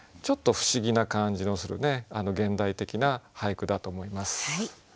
ちょっと不思議な感じのするね現代的な俳句だと思います。